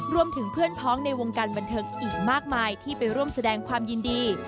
รวมถึงเพื่อนพ้องในวงการบันเทิงอีกมากมายที่ไปร่วมแสดงความยินดี